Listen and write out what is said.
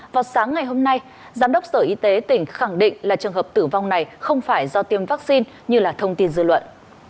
vào sáng ngày hôm nay giám đốc sở y tế tỉnh khẳng định là trường hợp tử vong này không phải do tiêm vaccine như là thông tin dư luận